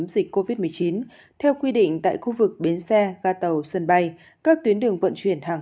dịch covid một mươi chín theo quy định tại khu vực bến xe ga tàu sân bay các tuyến đường vận chuyển hàng